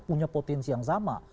punya potensi yang sama